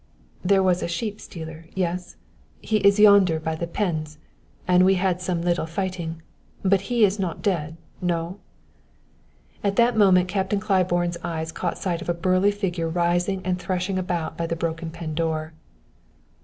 "There was a sheep stealer yes? He is yonder by the pens and we had some little fighting; but he is not dead no?" At that moment Claiborne's eyes caught sight of a burly figure rising and threshing about by the broken pen door.